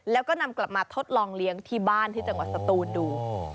แล้วก็นำกลับมาทดลองเลี้ยงที่บ้านที่จังหวัดสตูนดู